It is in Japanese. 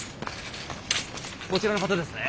こちらの方ですね？